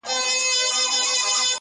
دوه جواله یې پر اوښ وه را بارکړي!.